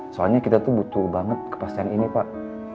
soalnya kita tuh butuh banget kepastian ini pak